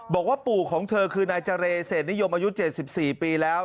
บอกว่าปู่ของเธอคือนายเจรเศษนิยมอายุ๗๔ปีแล้ว